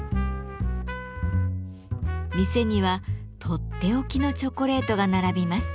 店にはとっておきのチョコレートが並びます。